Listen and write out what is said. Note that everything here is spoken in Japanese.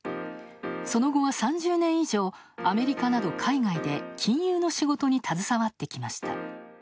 その後は３０年以上、アメリカなど海外で金融の仕事に携わってきました。